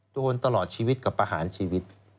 โดนตลอดชีวิตกับประหารชีวิต